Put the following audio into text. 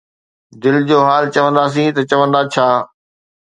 دل جو حال چونداسين، ته چوندا ”ڇا“؟